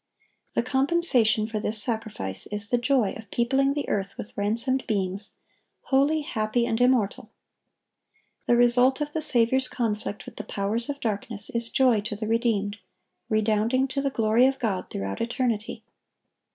The compensation for this sacrifice is the joy of peopling the earth with ransomed beings, holy, happy, and immortal. The result of the Saviour's conflict with the powers of darkness is joy to the redeemed, redounding to the glory of God throughout eternity.